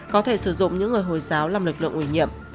có thể sử dụng những người hồi giáo làm lực lượng ủy nhiệm